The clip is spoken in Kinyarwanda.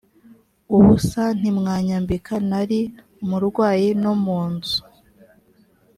ubusa ntimwanyambika nari umurwayi no mu nzu